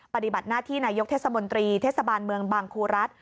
ปฏิบัติหน้าที่นายกเทศมนตรีเทศบาลเมืองบางครูรัฐ